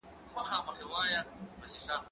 زه له سهاره مېوې راټولوم!؟